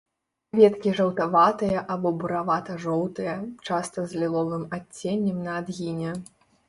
Кветкі жаўтаватыя або буравата-жоўтыя, часта з ліловым адценнем на адгіне.